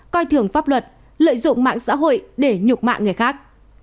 coi thường pháp luật lợi dụng mạng xã hội để nhục mạng người khác